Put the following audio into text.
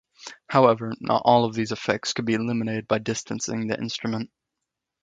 However, not all these effects could be eliminated by distancing the instrument.